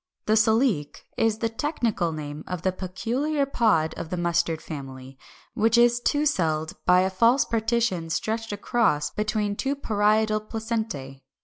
374. =The Silique= (Fig. 401) is the technical name of the peculiar pod of the Mustard family; which is two celled by a false partition stretched across between two parietal placentæ.